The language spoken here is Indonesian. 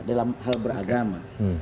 dalam hal beragama